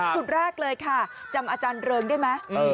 จุดแรกเลยค่ะจำอาจารย์เริงได้ไหม